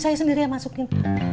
saya sendiri yang masukin